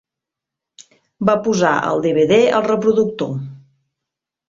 Va posar el DVD al reproductor.